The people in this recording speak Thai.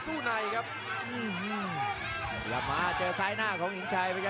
แชลเบียนชาวเล็ก